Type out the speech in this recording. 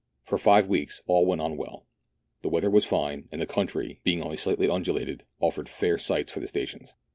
For five weeks all went on well. The weather was fine, and the country, being only slightly undulated, offered fair sites for the stations.